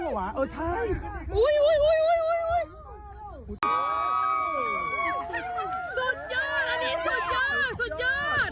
เฮ้ยชลามวานตัวใหญ่มากเฮ้ย